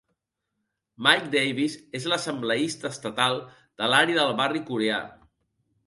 Mike Davis és l'assembleista estatal de l'àrea del barri coreà.